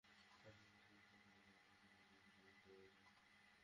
আমরা কাছাকাছিই থাকব, ওকে আরও একটা সুযোগ দেওয়া যাক।